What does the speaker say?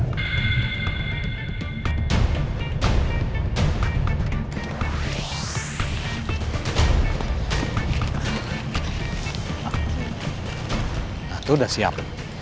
nah tuh udah siap